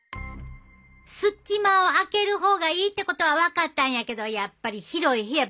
隙間を空ける方がいいってことは分かったんやけどやっぱり広い部屋ばっかりじゃないやん？